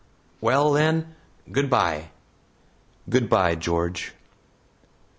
"Well then, goodby." "Goodby, George."